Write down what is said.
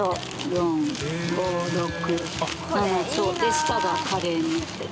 下がカレーになってる。